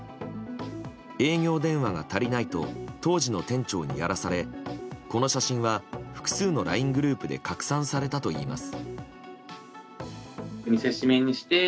営業電話が足りないと当時の店長にやらされこの写真は複数のＬＩＮＥグループで拡散されたといいます。